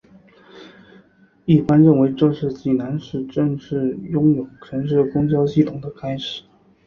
一般认为这是济南市正式拥有城市公交系统的开始。